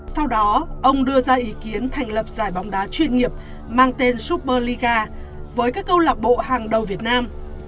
sau đó ông đưa ra ý kiến thành lập giải bóng đá chuyên nghiệp mang tên super liga với các câu lạc bộ hàng đầu việt nam